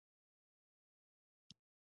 بامیان د افغانستان د اقتصادي منابعو ارزښت زیاتوي.